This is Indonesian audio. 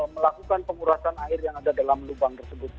melakukan pengurasan air yang ada dalam lubang tersebut